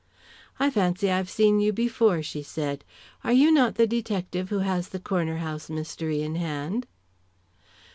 "I fancy I have seen you before," she said. "Are you not the detective who has the Corner House mystery in hand?"